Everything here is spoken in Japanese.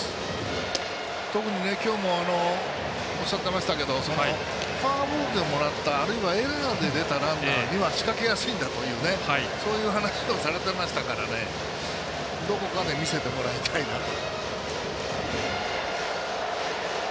特に今日もおっしゃってましたけどフォアボールでもらったあるいはエラーで出たランナーには仕掛けやすいんだという話をされていましたからどこかで見せてもらいたいなと。